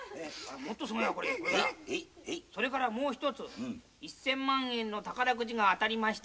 「それからもう一つ１，０００万円の宝くじが当たりました」